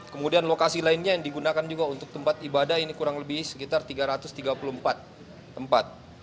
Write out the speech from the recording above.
kemudian lokasi lainnya yang digunakan juga untuk tempat ibadah ini kurang lebih sekitar tiga ratus tiga puluh empat tempat